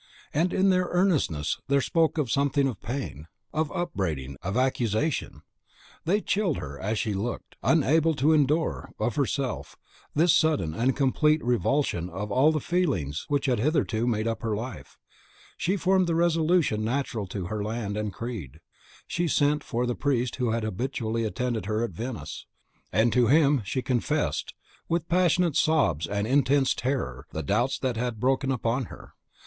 and in their earnestness, there spoke something of pain, of upbraiding, of accusation. They chilled her as she looked. Unable to endure, of herself, this sudden and complete revulsion of all the feelings which had hitherto made up her life, she formed the resolution natural to her land and creed; she sent for the priest who had habitually attended her at Venice, and to him she confessed, with passionate sobs and intense terror, the doubts that had broken upon her.